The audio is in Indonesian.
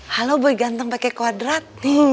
halo boy ganteng pake kwadrat